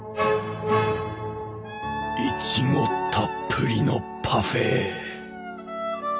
いちごたっぷりのパフェ！